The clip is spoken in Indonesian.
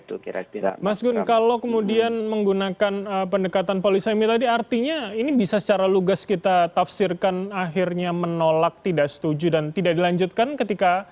mas gun kalau kemudian menggunakan pendekatan polisemi tadi artinya ini bisa secara lugas kita tafsirkan akhirnya menolak tidak setuju dan tidak dilanjutkan ketika